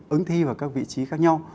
ứng thi vào các vị trí khác nhau